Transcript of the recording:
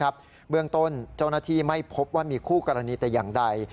เบื้องต้นเจ้าหน้าที่ไม่พบว่ามีคู่กรณีแต่อย่างใด